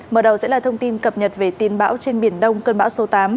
mở đầu sẽ là thông tin cập nhật về tin bão trên biển đông cơn bão số tám